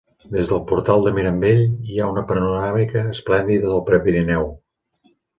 Des del portal de Mirambell, hi ha una panoràmica esplèndida del Prepirineu.